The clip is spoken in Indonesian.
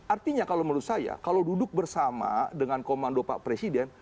artinya kalau menurut saya kalau duduk bersama dengan komando pak presiden